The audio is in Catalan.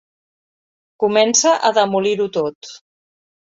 Comença a demolir-ho tot.